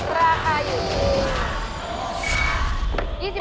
ราคาอยู่ที่